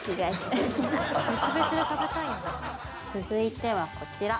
続いてはこちら。